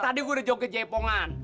tadi gua udah joget jepongan